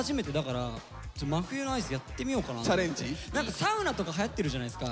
サウナとかはやってるじゃないですか。